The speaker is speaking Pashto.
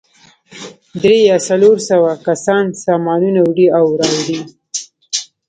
درې یا څلور سوه کسان سامانونه وړي او راوړي.